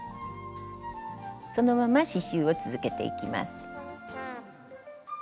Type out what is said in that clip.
そのまま刺しゅうを続けていきます。